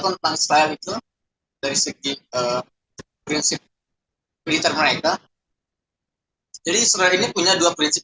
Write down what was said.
tentang style itu dari segi prinsip militer mereka jadi stre ini punya dua prinsip